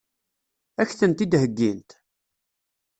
Ad k-tent-id-heggint?